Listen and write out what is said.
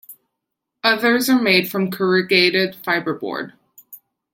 Others are made from corrugated fiberboard.